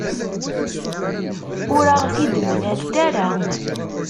Ur aɣ-t-id-mlant ara.